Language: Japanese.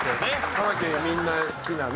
カマキリ、みんな好きなね。